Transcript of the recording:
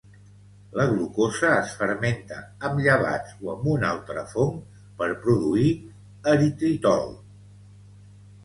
La glucosa es fermenta amb llevats o amb un altre fong per produir eritritol.